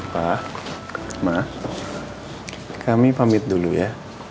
pa ma kami pamit dulu ya